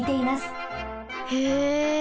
へえ。